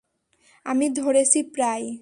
আমি ধরেছি প্রায়।